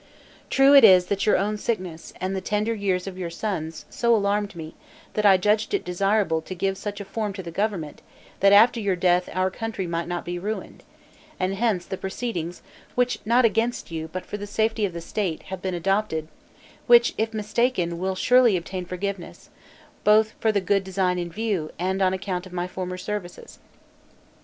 True, it is, that your own sickness, and the tender years of your sons, so alarmed me, that I judged it desirable to give such a form to the government, that after your death our country might not be ruined; and hence, the proceedings, which not against you, but for the safety of the state, have been adopted, which, if mistaken, will surely obtain forgiveness, both for the good design in view, and on account of my former services.